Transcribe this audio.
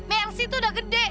merci tuh udah gede